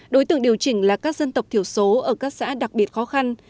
đối tượng điều chỉnh là các dân tộc thiểu số ở các xã đặc biệt khó khăn